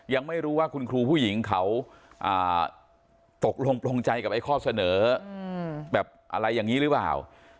ยังไม่รู้ว่าคุณครูผู้หญิงเขาตกลงปลงใจกับไอ้ข้อเสนอแบบอะไรอย่างนี้หรือเปล่า